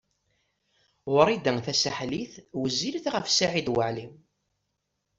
Wrida Tasaḥlit wezzilet ɣef Saɛid Waɛli.